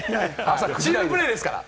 チームプレーですから。